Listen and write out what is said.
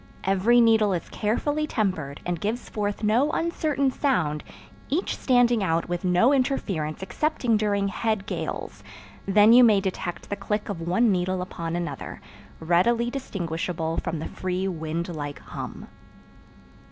Every needle is carefully tempered and gives forth no uncertain sound each standing out with no interference excepting during head gales; then you may detect the click of one needle upon another, readily distinguishable from the free wind like hum.